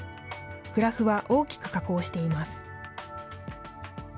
グラフは大きく下降しています。